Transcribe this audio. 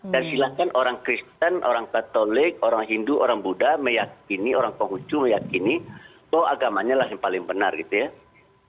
dan silahkan orang kristen orang katolik orang hindu orang buddha meyakini orang kongkucu meyakini bahwa agamanya lah yang paling benar gitu ya